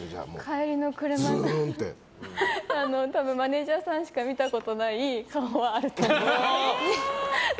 帰りの車多分マネジャーさんしか見たことない顔はあると思います。